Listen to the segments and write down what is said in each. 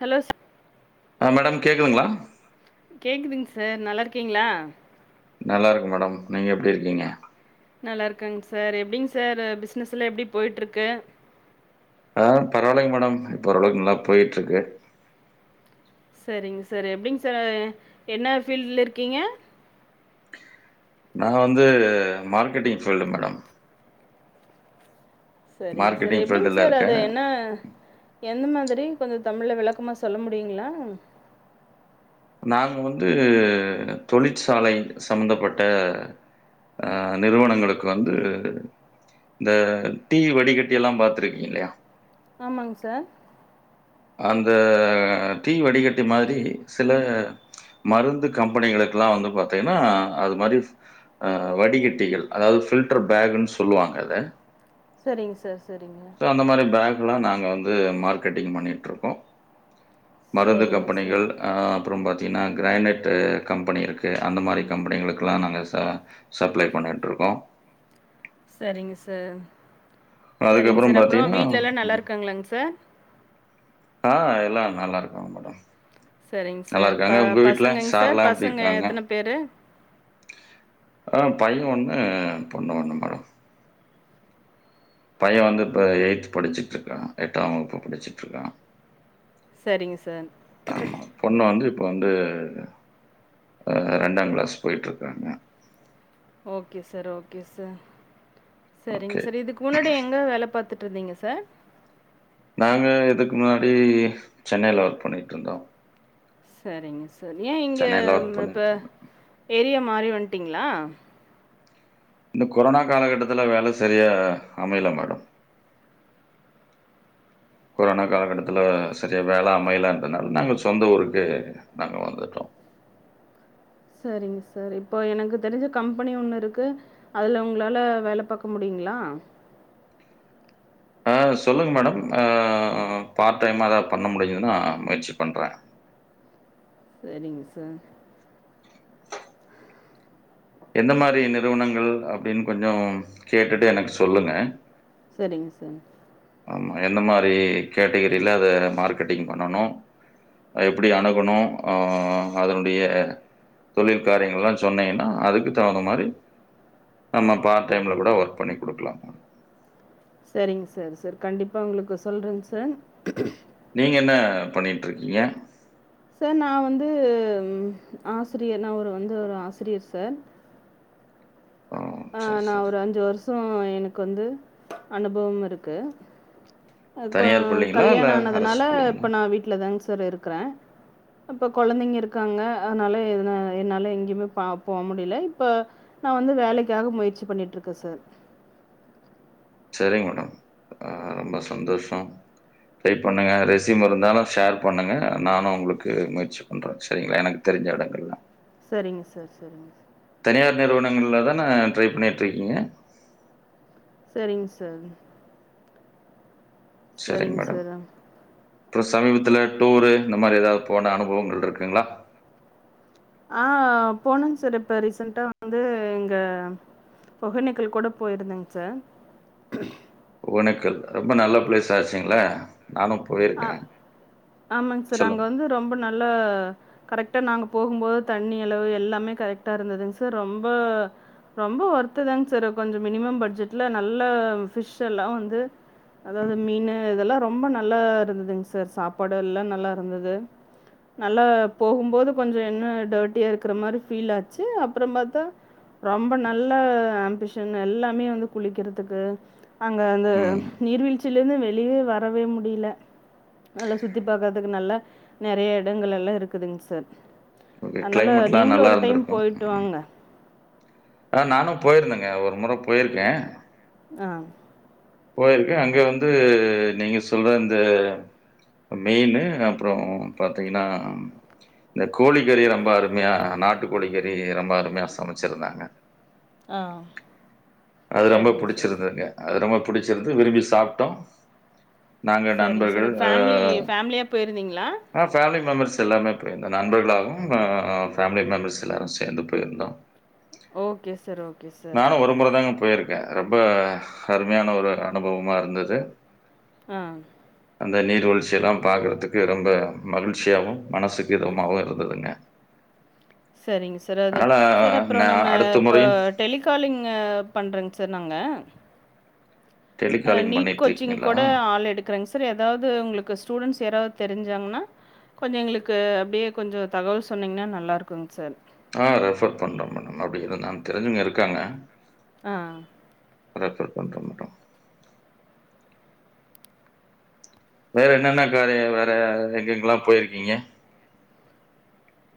Hello சா ஆ madam கேக்குதுங்ளா கேக்குதுங் சார் நல்லா இருக்கீங்ளா நல்லா இருக்க மேடம் நீங்க எப்டி இருக்கீங்க நல்லா இருக்கங்க சார் எப்டிங்க சார் பிஸ்னஸ்ல எப்டி போய்ட்டு இருக்கு ஆ பரவாலிங் மேடம் இப்போ ஓரளவுகு நல்லா போயிட் இருக்கு செரிங சார் எப்டிங் சார் அ என்ன ஃபீல்ட்ல இருக்கீங்க நா வந்து மார்க்கெட்டிங் ஃபீல்டு மேடம் செரிங்க சார் மார்க்கெட்டிங் எப்டிங் ஃபீல்டுல சார் அது இருக்கேன். என்ன எந்த மா தெரிங் கொஞ்சொ தமிழ்ல விளக்கமா சொல்ல முடியுங்ளா நாங்க வந்து தொழிற்சாலை சம்பந்தபட்ட அ நிறுவனங்களுக்கு வந்து இந்த டீ வடிகட்டி எல்லா பாத்ருகீங் இல்லயா ஆமாங் சார் அந்த ஆ டீ வடிகட்டி மாரி சில மருந்து கம்பெனிகளுக்லா வந்து பாத்தீங்னா அது மாரி அ வடிகட்டிகள் அதாவ்து ஃபில்டர் பேக்னு சொல்லுவாங்க அத செரிங்க சார் செரிங்க அதெலா நாங்க வந்து மார்கெட்டிங் பண்ணிட் மருந்து சரிங்க சார் கம்பெனிகள் அப்றொ பாத் தீனா க்ரைனைட்டு கம்பெனி இருக்கு அந்த மாரி கம்பெனிகளுக்லா நாங்க ச சப்ளை பண்ணிட்ருகோ செரிங்க சார் செரிங் அதுக்கப்புறம் சார் அப்றொ பார்த்தீங்கன்னா வீட்லலா நல்லா ம். இருக்காங்ளா சார் எல்லா நல்லா இருக்காங்க மேடம் செரிங் சார் நல்லாருக்காங்க. ப உங்க வீட்ல பசங்கங்க சார் சார்லாம் எப்படி பசங்க இருக்காங்க? எத்தன பேரு [inaudible] ஆ பைய ஒண்ணு பொண்ணு ஒண்ணு மேடம் பைய வந்து இப்ப எய்த் படிச்சுட்டு இருக்கா எட்டாம் வகுப்பு படிச்சுட்டு இருக்கா சரிங்க சார்‌ து ரண்டா க்ளாஸ் போயிட்ருக்காங்க ஓகே சார் ஓகே சார் சரிங்‌ ஓகே. சார் இதுக்கு முன்னாடி எங்க வேல பாத் துட்டு இருந்தீங்க சார் நாங்க இதுக்கு முன்னாடி சென்னைல ஒர்க் பண்ணிட்டு இருந்தோ செரிங்க சரி ஏ இங்க ஒர்க் ம் இப்ப பண்ணிட்டுருந்தேன். ஏரிய மாறி வன்டீங்ளா இந்த கொரோனா காலகட்டத்துல வேல சரியா அமையல மேடம் [inaudible] கொரோனா காலகட்டத்துல சரியா வேல அமையல இருந்தனால நாங்க சொந்த ஊருக்கு நாங்க வந்துட்டோ செரிங் சார் இப்போ எனக்கு தெரிஞ்ச கம்பெனி ஒண்ணு இருக்கு அதுல உங்களால வேல பாக்க முடியுமா னா உ ம் சொல்லுங்க மேடம் ஹ பார்ட் டைமாதா பண்ண முடியும்னா முயற்சி பண்றேன் செரிங்க சார் எந்த மாரி நிறுவனங்கள் அப்டின்னு கொஞ்சம் கேட்டுட்டு எனக்கு சொல்லுங்க செரிங்க சார் ஆமா எந்த மாதிரி கேட்டகரியில அதை மார்க்கெட்டிங் பண்ணணும் எப்டி அணுகணும் அஹ் அதனுடைய தொழில் காரியங்கள் எல்லாம் சொன்னீங்கன்னா அதுக்கு தகுந்த மாதிரி நம்ம பார்ட் டைம்ல கூட ஒர்க் பண்ணி குடுக்கலாமா செரிங்க சார் சார் கண்டிப்பா உங்களுக்கு சொல்றேங் சார் நீங்க என்ன பண்ணிட்டு இருக்கீங்க சார் நான் வந்து ஆசிரியர் நா ஒரு வந்து ஒரு ஆசிரியர் சார் ஓ! ஆஹ் சரி, நான் சரி. ஒரு அஞ்சு வருஷம் எனக்கு வந்து அனுபவம் இருக்கு கொ தனியார் பள்ளிங்களா? இல்ல கல்யாணம் அரசு ஆனதுனால பள்ளிங்களா? இப்ப நான் வீட்டு்லதாங்க சார் இருக்கறேன் இப்ப கொழந்தைங்க இருக்காங்க அதனால என என்னால எங்கேயுமே போக முடியல இப்ப நான் வந்து வேலைக்காக முயற்சி பண்ணிட்டுருக்கேன் சார் செரிங்க மேடம் ஆஹ ரொம்ப சந்தோஷம் ட்ரை பண்ணுங்க ரெசிம் இருந்தாலும் ஷேர் பண்ணுங்க நானும் உங்களுக்கு முயற்சி பண்றேன் செரிங்களா எனக்கு தெரி தெரிஞ்ச இடங்கள்லாம் சரிங்க சார் சரிங்க சார், தனியார் நிறுவனங்கள்ல தானே ட்ரை பண்ணிட்டு இருக்கீங்க செரிங்க சார் சரிங்க செரிங்க மேடம். சார் அப்புறம் சமீபத்துல டூரு இந்த மாதிரி ஏதாவது போன அனுபவங்கள் இருக்குங்களா ஆஹ் போனேங் சார் இப்ப ரீசென்ட்டா வந்து எங்க ஒகனேக்கல் கூட போயிருந்தேங் சார் ஒகேனக்கல் ரொம்ப நல்ல ப்ளேஸ் ஆச்சுங்களே நானும் அஹ் போயிருக்கேன். ஆமாங் சார் அங்க சொல்லுங்க. வந்து ரொம்ப நல்ல கரெக்ட்டா நாங்க போகும் போது தண்ணி அளவு எல்லாமே கரெக்ட்டா இருந்ததுங் சார் ரொம்ப ரொம்ப ஒர்த்துதாங்க சார் கொஞ்சம் மினிமம் பட்ஜெட்ல நல்ல பிஷ் எல்லாம் வந்து அதாவது மீனு இதெல்லாம் ரொம்ப நல்லா இருந்ததுங் சார் சாப்பாடு எல்லாம் நல்லா இருந்தது நல்லா போகும்போது கொஞ்சம் என்ன டர்ட்டியா இருக்கிற மாதிரி ஃபீல் ஆச்சு அப்புறம் பாத்தா ரொம்ப நல்ல ஆம்பிஷன் எல்லாமே வந்து குளிக்கிறதுக்கு அங்க அந்த ம். நீர்வீழ்ச்சியில இருந்து வெளியே வரவே முடியல நல்லா சுத்தி பாக்குறதுக்கு நல்ல நெறைய இடங்கள் எல்லாம் இருக்குதுங்க சார் ஓகே. அதனால கிளைமேட்லாம் நீங்களும் நல்லா ஒரு டைம் போயிட்டு வாங்க ஆஹ் நானும் போயிருந்தேங்க ஒரு முறை போயிருக்கே ஆஹ் போயிருக்கே அங்க வந்து நீங்க சொல்ற இந்த மீனு அப்புறம் பாத்தீங்கன்னா இந்த கோழிக்கறி ரொம்ப அருமையா நாட்டு கோழிக்கறி ரொம்ப அருமையா சமைச்சிருந்தாங்க ஆ அது ரொம்ப சரிங்க சார் புடிச்சிருந்ததுங்க அது ரொம்ப புடிச்சிருந்து விரும்பி சாப்புட்டோம் நாங்க சரிங்க சார் நண்பர்கள் ஃபேமிலி ஃபேமிலியாக போயிருந்தீங்களா ஆஹ பேமிலி மெம்பர்ஸ் எல்லாமே போயிருந்தோம் நண்பர்களாகவும் ஃபேமிலி மெம்பர்ஸ் எல்லாரும் சேர்ந்து போயிருந்தோம் ஓகே சார் ஓகே சார் நானும் ஒரு முறை தாங்க போயிருக்கேன் ரொம்ப அருமையான ஒரு அனுபவமா இருந்தது. ஆ அந்த நீர்வீழ்ச்சியெல்லா பாக்கறதுக்கு ரொம்ப மகிழ்ச்சியாவு மனசுக்கு இதமாவு இருந்ததுங்க சரிங்க சார் அது ஆனா, சார் அப்றோ நான் நம்ம அடுத்த இப்போ முறையும் டெலிகாலிங்க பண்றங் சார் நாங்க அ அ டெலிகாலிங் நீட் கோச்சிங் பண்ணிட்டுருக்கீங்களா? கூட ஆள் எடுக்கறேங் சார் ஏதாவது உங்களுக்கு ஸ்டூடெண்ஸ் யாராவது தெரிஞ்சாங்னா கொஞ்ச எங்களுக்கு அப்டியே கொஞ்ச தகவல் சொன்னீங்னா நல்லா இருக்குங் சார் ஆ ரெஃபர் பண்ற மேடம் அப்டி எது நா தெரிஞ்சவங்க இருக்காங்க ஆ ரெபர் பண்றே மேடோ வேற என்னென்ன காரிய வேற எங்கெங்ல்லா போய்ருக்கீங்க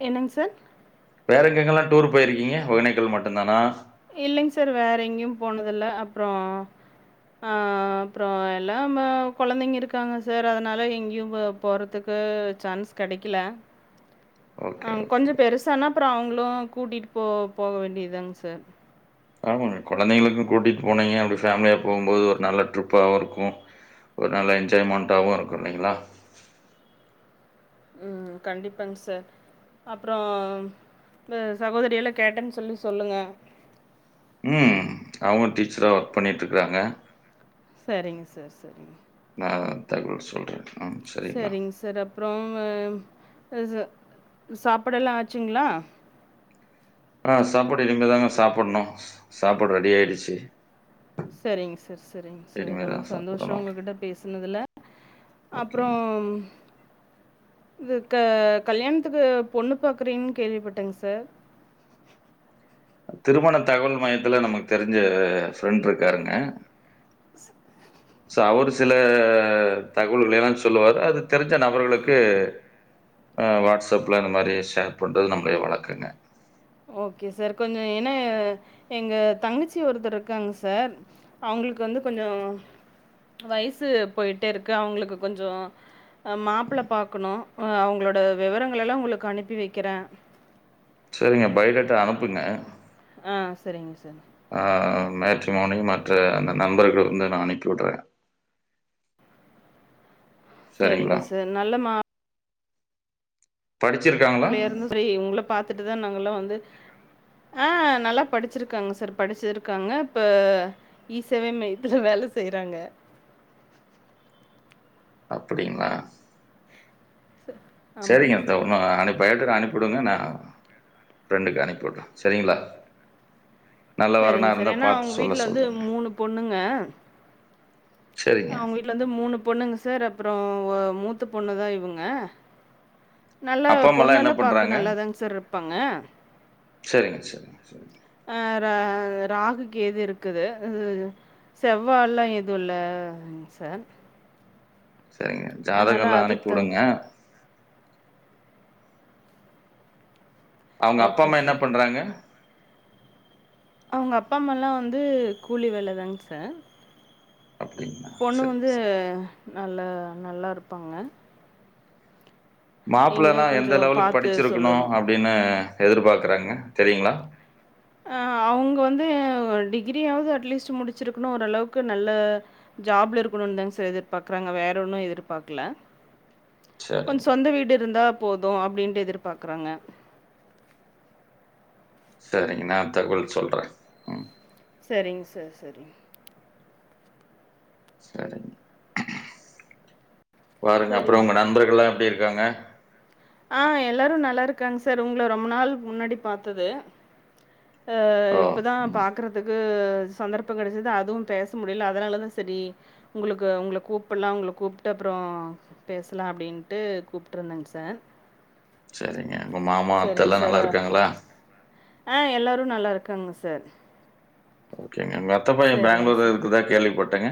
என்னங் சார். வேற எங்கெங்கெல்லா டூர் போய்ருக்கீங்க ஒகேனக்கல் மட்டு தானா இல்லங் சார் வேற எங்கியு போனதுல்ல அப்றோ அ அப்றோ எல்லாம கொழந்தைங்க இருக்காங்க சார் அதனால எங்கியு போ போறதுக்கு அ சான்ஸ் கெடைக்கில அ ஓகே, ஓகே, கொஞ்சோ ஓகே. பெருசானா அப்றோ அவுங்ளு கூட்டிட் போ போக வேண்டிய தாங்க சார். ஆமாங் மேடம் கொழந்தைங்களுக்கு கூட்டிட் போனீங்க அப்டி ஃபேமிலியா போகு போது ஒரு நல்ல ட்ரிப்பாவு இருக்கு ஒரு நல்ல என்ஜாய்மெண்டாவு இருக்கு இல்லைங்ளா ம் கண்டிப்பாங் சார் அப்றோ உங்க சகோதரிகள கேட்டன் சொல்லி சொல்லுங்க. ம் அவுங்க டீச்சரா ஒர்க் பண்ணிட்ருக்றாங்க. சரிங்க சார் சரிங் நா தகவல் சொல்றே சரிங்க சார் அப்றோ வே அ ச சாப்பாடெல்லா ஆச்சுங்ளா ஆ சாப்பாடு இனிமே தாங்க சாப்புனு சாப்பாடு ரெடி ஆயிடுச்சி. சரிங்க சார் சரிங் சார் ரெம்ப சந்தோஷோ சாப்பிடணும். உங்ககிட்ட பேஸ்னதுல அப்றோ ஓகேங்க. இந்த க கல்யாண்த்துக்கு பொண்ணு பாக்குறீ கேள்விப்பட்டங் சார். திருமண தகவல் மையத்துல நமக்கு தெரிஞ்ச ஃப்ரெண்ட்ருக்காருங்க. சோ அவரு சில தகவல்கள் எல்லா சொல்லுவாரு அது தெரிஞ்ச நபர்களுக்கு. ஆ வாட்ஸ்அப்ல இந்த மாரி ஷேர் பண்றது நம்முடைய வளக்கங்க. ஓகே சார் கொஞ்ச ஏனா எங்க தங்கச்சி ஒருத்தர் இருக்காங்க சார் அவுங்க அவுங்களுக்கு வந்து கொஞ்சோ வயசு போயிட்டேருக்கு அவுங்களுக்கு கொஞ்சோ அ மாப்ள பாக்கனு அ அவுங்களோட விவரங்கள எல்லா உங்களுக்கு அனுப்பி வெக்கிறே செரிங்க பைடேட்டா அனுப்புங்க. ஆ செரிங் சார். ஆ மேட்ரி மோனி மற்ற அந்த நண்பர்கள் வந்து நா அனுப்பி வுட்றே சரிங்களா? சரிங்க சார் நல்ல மா படிச்சிருக்காங்களா? பிள்ளையா இருந்து செரி உங்கள பாத்துட்டுதா நாங்கெல்லா வந்து ஆ நல்லா படிச்சிருக்காங்க சார் படிச்சிருக்காங்க இப்ப ஈ சேவை மையத்ல வேல செய் ராங்க. அப்டிங்ளா ஆமாங் செரிங்க அத்ப்றதா அனுப் பயா டேட்டா அனுப்புடுங்க நா ஃப்ரெண்டுக்கு அனுப்பிட்றே சரிங்ளா? நல்ல வரணா சரிங்க சார் இருந்தா ஏன்னா அவங்க பாத்து வீட்ல சொல்ல வந்து சொல்லுங்க. மூணு அவுங்க வீட்டலந்து மூணு பொண்ணுங்க சர் அப்றோ ஒ மூத்த பொண்ணு தா இவுங்க. நல்ல அப்பா, அம்மாலாம் என்ன பொண்ணெல்லா பாக்க பண்றாங்க? நல்லாதாங் சார்ருப்பாங்க சரிங்க, சரிங்க, சரிங்க, ஆ ர ராகு கேது இருக்குது செவ்வாலா எது இல்ல ங்சார். சரிங்க ஜாதக எல்லா அனுப்பி தகுந் உடுங்க அவங்க அப்பா ஓகே அம்மா என்ன சார் பண்றாங்க? அவுங்கப்பா அம்மாலா வந்து கூலி வேலதாங் சார். அப்டிங்களா? பொண்ணு சரி, வந்து சரி. நல்லா நல்லாருப்பாங்க மாப்ள எல்லா எந்த கொஞ்சம் லெவலுக்கு பாத்து படிச்சுருக்கணு சொல்லணும். அப்டினு எதிர்பாக்கறாங்க தெரியுங்ளா? ஆ அவ்ங்க வந்து ஒரு டிகிரியாவது அட்லீஸ்ட் முடிச்சிருக்ணு ஓரளவுக்கு நல்ல ஜாப்ல இருக்கணுன் தாங் சார் எதிர்பாக்றாங்க வேறொன்னு எதிர்பாக்ல கொஞ்ச சரிங்க, சொந்த வீடு இருந்தா போது அப்டின்ட்டு எதிர்பாக்கறாங்க சரிங் நா தகவல் சொல்ற ம் சரிங்க சார் சரிங்‌ சரிங் பாருங்க அப்பறோ சரிங்க. உங்க நண்பர்களா எப்டி இ ருக்காங்க ஆ எல்லாரு நல்லாருக்காங் சார் உங்கள ரொம்ப நாள்க் முன்னாடி பாத்தது ஆ ஓ! இப்பதா ம். பாக்கறதுக்கு சந்தர்ப்ப கெடச்சுது அதுவு பேச முடில அதனாலதா சரி உங்ளுக்கு உங்கள கூப்படலா உங்கள கூப்ட்டு அப் றோ பேசலா அப்டின்ட்டு கூப்ட்ருந்தங் சார் செரிங்க உங்க மாமா சரிங்க அத்தெல்லா சார் நல்லாருக்காங்ளா ஆ எல்லாரு நல்லாருக்காங்க சார் ஓகேங்க உங்கத்த பைய சரிங்க பேங்ளூர்ல சார் இருக்றதா கேள்வி பட்டங்க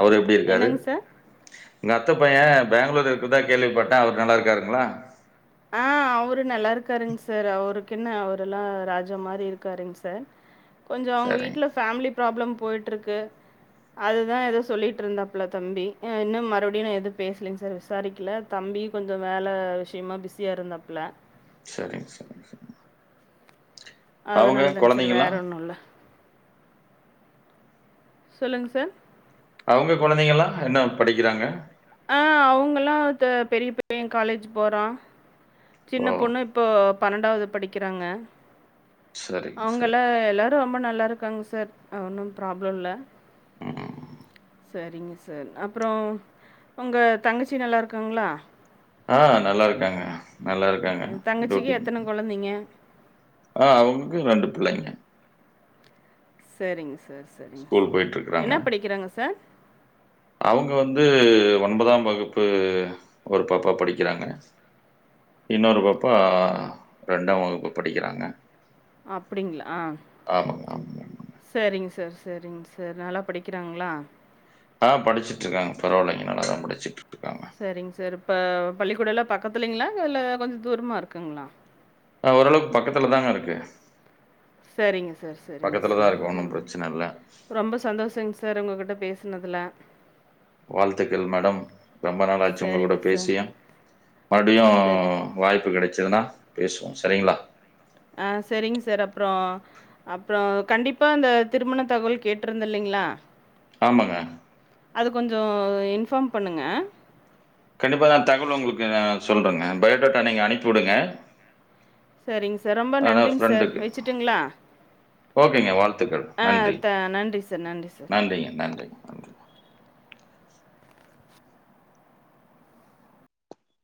அவுரு எப்டி இருக்காரு என்னங்க சார் உங்கத்த பைய பேங்ளூர்ல இருக்றதா கேள்விபட்ட அவுரு நல்லாருக்காருங்ளா ஆ அவுரு நல்லாருக்காருங் சார் அவுரு கென்ன அவரெலா ராஜா மாரி இருக்காருங் சார் கொஞ்சோ அவுங்க சரிங்க. வீட்ல ஃபேமிலி ப்ராப்ளம் போய்ட்ருக்கு அதுதா எதோ சொல்லிட்ருந்தாப்ல தம்பி இன்னு மறுபடியு நா எது பேசுலிங் சார் விசாரிக்ல தம் தம்பியு கொஞ்ச வேல விஷயமா பிஸியா இருந்தாப்ல சரிங் சரிங் சரிங்மா அதனாலதாங் சார் வேற ஒண்ணு இல்ல சொல்லுங் சார் அவுங்க கொழந்தைகளா என்ன படிக்கறாங்க ஆ அவுங்களா த பெரிய பைய காலேஜ் போறா ஓ! சின்ன பொண்ணு இப்போ பன்னெண்டாவது படிக்கறாங்க சரிங்க, அவுங்கள சரிங்க. எல்லாரு ரொம்ப நல்லா இருக்காங்க சார் ஒன்னு ப்ராப்ள இல்ல. ம். சரிங்க சார் அப்றோ உங்க தங்கச்சி நல்லாருக்காங்ளா? ஆ நல்லாருக்காங்க நல்லாருக்காங்க சரி, தங்கச்சிக்கு டூட்டி எத்தனை குழந்தைங்க ஆ அவுங்ளுக்கு ரண்டு புள்ளைங்க. சரிங்க சார் சரிங்க சார். என்ன படிக்கறாங்க சார்? அவுங்க வந்து ஒன்பதாம் வகுப்பு ஒரு பாப்பா படிக்கறாங்க. இன்னொரு பாப்பா ரண்டாம் வகுப்பு படிக்கறாங்க. அப்டிங்களா ஆமாங்க, ஆமாங்க. செரிங் சா ர் செரிங் சார் நல்லா படிக்கறாங்ளா? ஆ படிச்சுட்ருக்காங்க பரவாலங்க நல்லாதா படிச்சிட்ரு சரிங் சார் இப்ப பள்ளிக்கூடல்லா பக்கத்துலைங்ளா இல்ல கொஞ்ச தூரமா இருக்குங்ளா? ஆ ஓரளவுக்கு பக்கத்ல தாங்க இருக்கு. சரிங்க சார் சரிங்க பக்கத்தில தான் சார் இருக்கு. ஒண்ணும் ம் பிரச்சனை இல்ல. ரொம்ப சந்தோஷங் சார் உங்ககிட்ட பே பேசுனதுல வாழ்த்துக்கள் மேடம் ரொம்ப நாள் ஆச்சு உங்க கூட சரிங்க சார் பேசிய மறுபடியு சரி வாய்ப்பு கடைச்சதுன்னா பேசுவோ சரிங்களா ஆ சரிங் சார் அப்றோ அப்றோ கண்டிப்பா இந்தந்த திருமண தகவல் கேட்ருந்த இல்லலைங்களா ஆமாங்க அது கொஞ்ச இன்ஃபார்ம் பண்ணுங்க கண்டிப்பா நா தகவல் உங்களுக்கு சொல்றங்க பயோடாட்டா நீங்க அனுப்பி உடுங்க சரிங் சார் ரொம்ப நன்றிங் சார் வச்சுட்டுங்களா ஓகேங்க வாழ்த்துக்கள் ஆ நன்றி த நன்றி சார், நன்றி சார். நன்றிங்க நன்றிங்க நன்றி